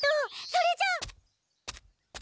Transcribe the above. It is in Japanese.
それじゃあ。